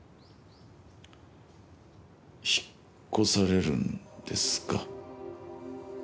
引っ越されるんですか？